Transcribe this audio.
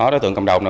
đối tượng cầm đầu